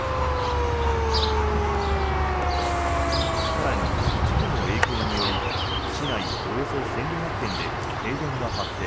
更に、事故の影響により市内およそ１５００軒で停電が発生。